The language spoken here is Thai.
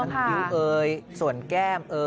ส้นพิมพ์ส่วนแก้ม